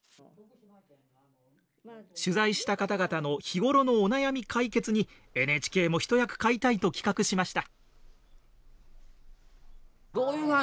取材した方々の日頃のお悩み解決にＮＨＫも一役買いたいと企画しました。